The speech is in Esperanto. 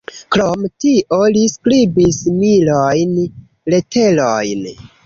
Krom tio li skribis milojn leterojn.